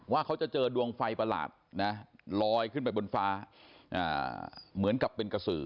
เขาจะเจอดวงไฟประหลาดนะลอยขึ้นไปบนฟ้าเหมือนกับเป็นกระสือ